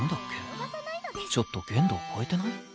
ちょっと限度を超えてない？